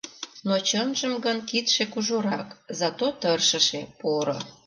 Но чынжым гын, кидше кужурак, зато тыршыше, поро.